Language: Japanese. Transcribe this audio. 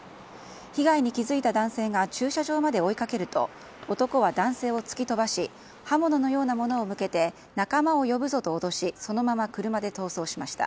被害に気づいた男性が駐車場まで追いかけると男は男性を突き飛ばし刃物のようなものを向けて仲間を呼ぶぞと脅しそのまま車で逃走しました。